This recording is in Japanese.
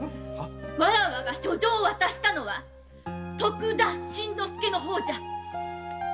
わらわが書状を渡したのは“徳田新之助”の方じゃ。